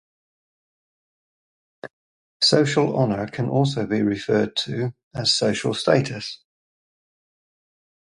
Social honor can also be referred to as social status.